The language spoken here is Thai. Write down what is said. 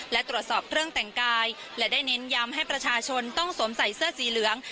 และตรวจสอบเครื่องแต่งกายและได้เน้นย้ำให้ประชาชนต้องสวมใส่เสื้อสีเหลือง